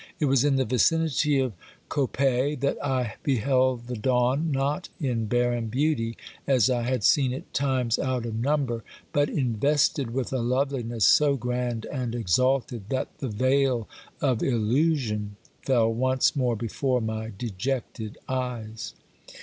It was in the vicinity of Coppet that I beheld the dawn, not in barren beauty, as I had seen it times out of number, but invested with a loveUness so grand and exalted, that the veil of illusion fell once more before my dejected eyes.